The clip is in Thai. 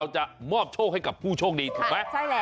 จะมอบโชคให้กับผู้โชคดีถูกไหม